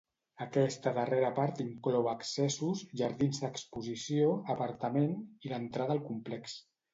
Aquesta darrera part inclou accessos, jardins d'exposició, aparcament i l'entrada al complex.